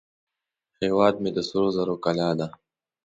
هیواد مې د سرو زرو کلاه ده